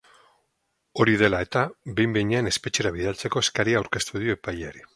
Hori dela eta, behin-behinean espetxera bidaltzeko eskaria aurkeztu dio epaileari.